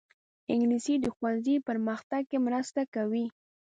انګلیسي د ښوونځي پرمختګ کې مرسته کوي